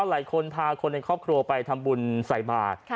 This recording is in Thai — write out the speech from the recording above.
หลายคนพาคนในครอบครัวไปทำบุญใส่บาท